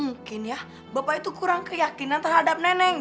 mungkin ya bapak itu kurang keyakinan terhadap neneng